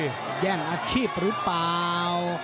จะโดนแย่งอาชีพหรือเปล่า